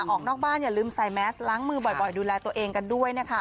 ออกนอกบ้านอย่าลืมใส่แมสล้างมือบ่อยดูแลตัวเองกันด้วยนะคะ